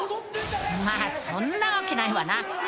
まあそんなわけないわな。